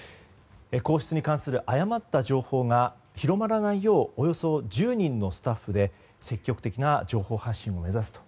皇室に関する誤った情報が広がらないようおよそ１０人のスタッフで積極的な情報発信を目指すと。